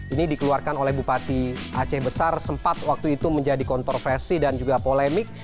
ini dikeluarkan oleh bupati aceh besar sempat waktu itu menjadi kontroversi dan juga polemik